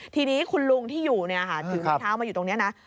ทีนี้คุณลุงที่อยู่ถือไม้เท้ามาอยู่ตรงนี้นะ